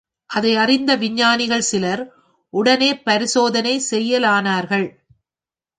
அதை அறிந்த விஞ்ஞானிகள் சிலர் உட்னே பரிசோதனை செய்யலானார்கள்.